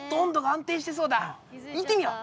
行ってみよう。